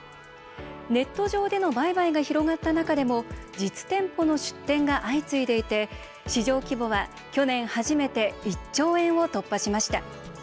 ネット上での売買が広がった中でも実店舗の出店が相次いでいて市場規模は去年初めて１兆円を突破しました。